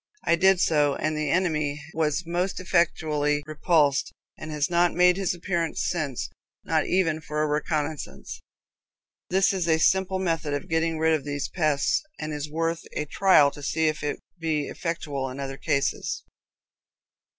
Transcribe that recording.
I did so, and the enemy was most effectually repulsed, and has not made his appearance since not even for a reconnoissance!" This is a simple method of getting rid of these pests, and is worth a trial to see if it be effectual in other cases.